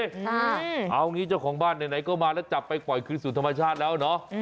ใช่เอางี้เจ้าของบ้านไหนก็มาแล้วจับไปปล่อยคืนสู่ธรรมชาติแล้วเนาะ